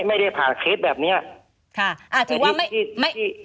ไม่ได้ผ่านเคสแบบเนี้ยอ่าถือว่า